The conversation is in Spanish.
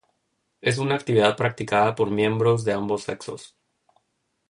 Es una actividad practicada por miembros de ambos sexos.